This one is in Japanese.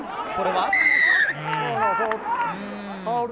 これは。